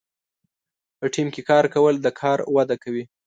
په ټیم کې کار کول د کار وده کوي.